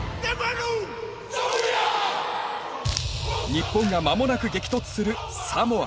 日本がまもなく激突するサモア。